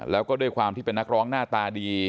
แล้วก็ด้วยความที่เป็นนักร้องหน้าตาดี